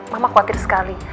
mama khawatir sekali